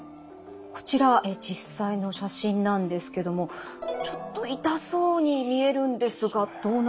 こちら実際の写真なんですけどもちょっと痛そうに見えるんですがどうなんでしょうか？